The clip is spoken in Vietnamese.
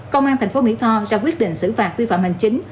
công an thành phố mỹ tho ra quyết định xử phạt vi phạm hành chính